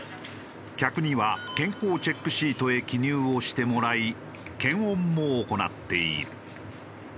客には健康チェックシートへ記入をしてもらい検温も行っている。